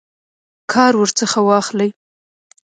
کار ورڅخه واخلي.